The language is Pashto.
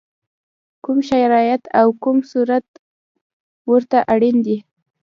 کوم شرایط او کوم صورت ورته اړین دی؟